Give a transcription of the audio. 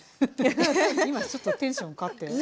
今ちょっとテンション変わって。